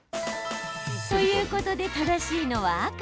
ということで、正しいのは赤。